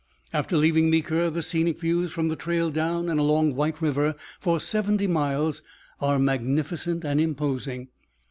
After leaving Meeker the scenic views from the trail down and along White River for seventy miles are magnificent and imposing.